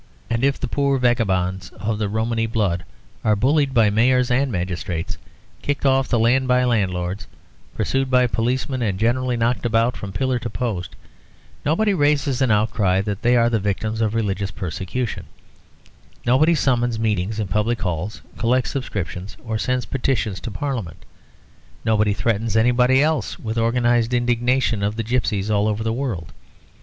And if the poor vagabonds of the Romany blood are bullied by mayors and magistrates, kicked off the land by landlords, pursued by policemen and generally knocked about from pillar to post, nobody raises an outcry that they are the victims of religious persecution; nobody summons meetings in public halls, collects subscriptions or sends petitions to parliament; nobody threatens anybody else with the organised indignation of the gipsies all over the world.